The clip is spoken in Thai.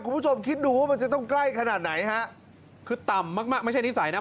คุณผู้ชมคิดดูว่ามันจะต้องใกล้ขนาดไหนฮะคือต่ำมากมากไม่ใช่นิสัยนะ